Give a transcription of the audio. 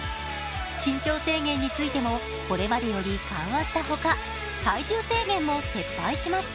身長制限についても、これまでより緩和したほか、体重制限も撤廃しました。